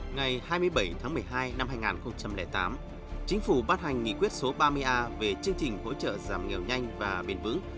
ngày hai mươi bảy tháng một mươi hai năm hai nghìn tám chính phủ bát hành nghị quyết số ba mươi a về chương trình hỗ trợ giảm nghèo nhanh và bền vững